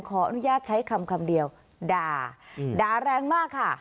ขออนุญาตใช้คำคำเดียวด่าด่าแรงมากค่ะ